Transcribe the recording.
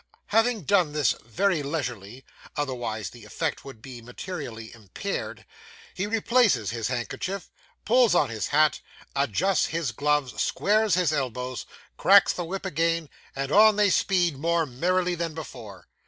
Having done this very leisurely (otherwise the effect would be materially impaired), he replaces his handkerchief, pulls on his hat, adjusts his gloves, squares his elbows, cracks the whip again, and on they speed, more merrily than before.